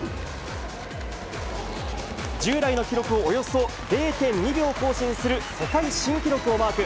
従来の記録をおよそ０．２秒更新する世界新記録をマーク。